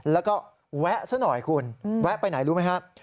แล้วก็แวะซะหน่อยคุณแวะไปไหนรู้ไหมครับ